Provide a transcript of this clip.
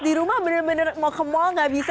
di rumah benar benar mau ke mall tidak bisa